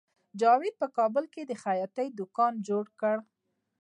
جاوید په کابل کې د خیاطۍ دکان جوړ کړ